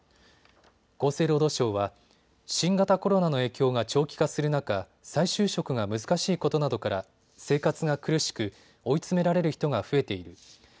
厚生労働省は、新型コロナの影響が長期化する中、再就職が難しいことなどから生活が苦しく、追い詰められる人が増えている。